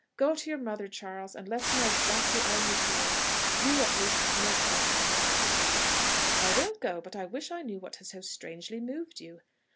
Go to your mother, Charles, and let her know exactly all you feel. You, at least, have no cause to hide your faults." "I will go but I wish I knew what has so strangely moved you."